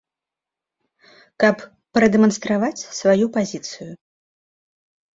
Каб прадэманстраваць сваю пазіцыю.